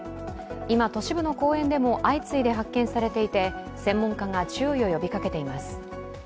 今、都市部の公園でも相次いで発見されていて専門家が注意を呼びかけています。